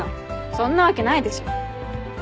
そんなわけないでしょ。